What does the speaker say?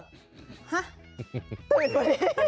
คือ